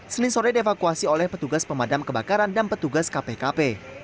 senin sore dievakuasi oleh petugas pemadam kebakaran dan petugas kpkp